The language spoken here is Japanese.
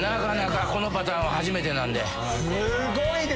このパターンは初めてなんで。